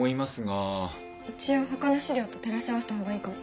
一応ほかの史料と照らし合わせた方がいいかも。